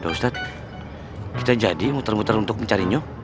ustadz kita jadi muter muter untuk mencarinya